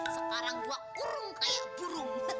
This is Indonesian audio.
sekarang gua kurung kayak burung